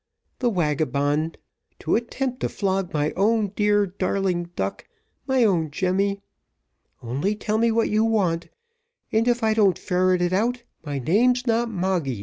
The wagabond, to attempt to flog my own dear, darling duck my own Jemmy. Only tell me what you want to know, and if I don't ferret it out, my name's not Moggy.